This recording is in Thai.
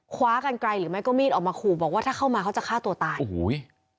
คว้ากันไกลหรือไม่ก็มีดออกมาขู่บอกว่าถ้าเข้ามาเขาจะฆ่าตัวตายโอ้โห